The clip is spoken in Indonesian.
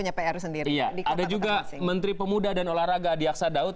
ada juga menteri pemuda dan olahraga adiaksa daud